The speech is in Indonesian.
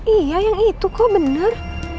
iya yang itu kok benar